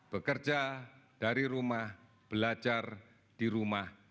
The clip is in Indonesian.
bekerja dari rumah belajar di rumah